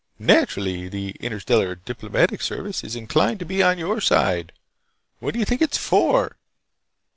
Naturally the Interstellar Diplomatic Service is inclined to be on your side. What do you think it's for?"